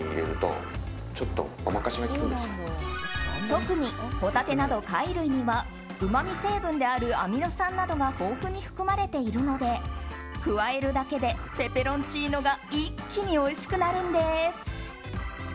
特にホタテなど貝類にはうまみ成分であるアミノ酸などが豊富に含まれているので加えるだけでペペロンチーノが一気においしくなるんです。